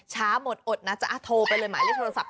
ช้าหมดอดนะจ๊ะโทรไปเลยหมายเลขโทรศัพท์